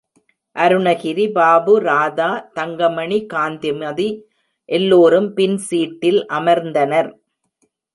அருணகிரி, பாபு, ராதா தங்கமணி, காந்திமதி எல்லோரும் பின் சீட்டில் அமர்ந்தனர்.